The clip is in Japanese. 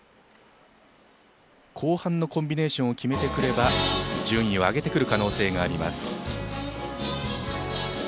後半のコンビネーションを決めてくれば順位を上げてくる可能性があります。